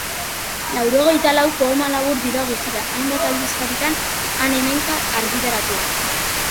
Laurogeita lau poema labur dira guztira, hainbat aldizkaritan han-hemenka argitaratuak.